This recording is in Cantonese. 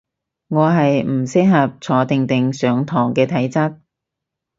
我係唔適合坐定定上堂嘅體質